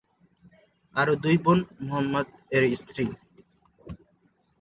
আরো দুই বোন মুহাম্মাদ এর স্ত্রী।